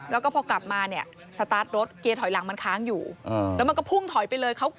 แล้วก็พอกลับมาเนี่ยสตาร์ทรถเกียร์ถอยหลังมันค้างอยู่แล้วมันก็พุ่งถอยไปเลย